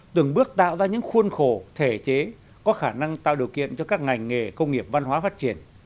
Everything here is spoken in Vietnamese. từng bước tạo ra những khuôn khổ thể chế có khả năng tạo điều kiện cho các ngành nghề công nghiệp văn hóa phát triển